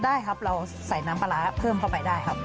ได้ครับเราใส่น้ำปลาร้าเพิ่มเข้าไปได้ครับ